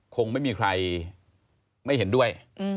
คงไม่มีใครไม่เห็นด้วย